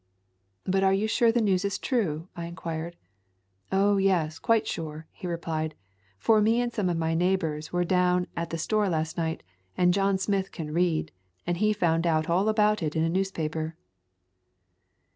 "But are you sure the news is true?" I in quired. "Oh, yes, quite sure," he replied, "for me and some of my neighbors were down at the store last night, and Jim Smith can read, and he found out all about it in a newspaper."